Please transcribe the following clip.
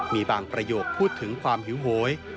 มีบางประโยคพูดถึงความหิวโหย